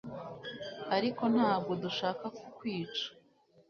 ariko nta bwo dushaka kukwica